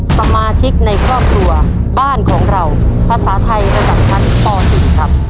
สมาชิกในครอบครัวบ้านของเราภาษาไทยระดับชั้นป๔ครับ